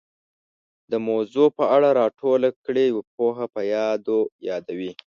د موضوع په اړه را ټوله کړې پوهه په یادو یادوي